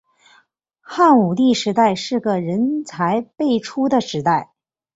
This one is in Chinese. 汉武帝时代是个人才辈出的时代。